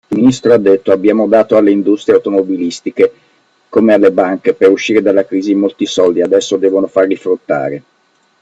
Il ministro ha detto “abbiamo dato alle industrie automobilistiche, come alle banche, per uscire dalla crisi molti soldi e adesso devono farli fruttare.